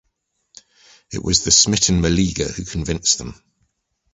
It was the smitten Meleager who convinced them.